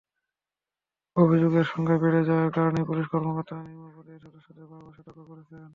অভিযোগের সংখ্যা বেড়ে যাওয়ার কারণেই পুলিশ কর্মকর্তারা নিম্নপদের সদস্যদের বারবার সতর্ক করছেন।